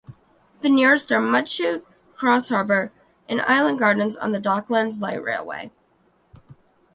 The nearest are Mudchute, Crossharbour and Island Gardens on the Docklands Light Railway.